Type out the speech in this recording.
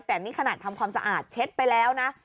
แต่นี่ขนาดทำความสะอาดเช็ดไปแล้วนะ